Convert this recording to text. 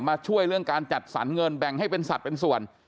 ช่วยเรื่องการจัดสรรเงินแบ่งให้เป็นสัตว์เป็นส่วน